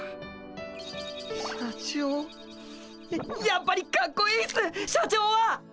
やっぱりかっこいいっす社長は！